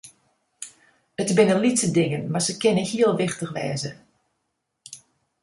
It binne lytse dingen, mar se kinne heel wichtich wêze.